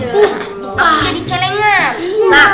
makanya di celengan